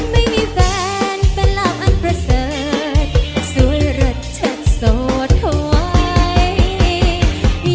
ไม่มีแฟนเป็นลาบอันประเสริฐสวยรักฉันโสดเขาไว้